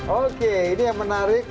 oke ini yang menarik